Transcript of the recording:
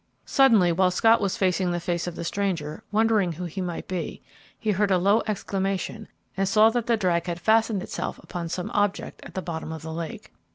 Suddenly, while Scott was watching the face of the stranger, wondering who he might be, he heard a low exclamation and saw that the drag had fastened itself upon some object at the bottom of the lake.